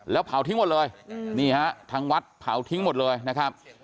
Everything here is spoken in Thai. แล้วเผาทิ้งหมดเลยนี่ฮะทางวัดเผาทิ้งหมดเลยนะครับ